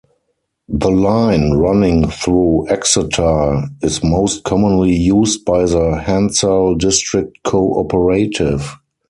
The line running through Exeter is most commonly used by the Hensall District Co-Operative.